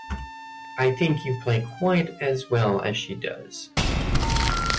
I think you play quite as well as she does.